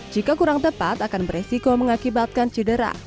jika kurang tepat akan beresiko mengakibatkan cedera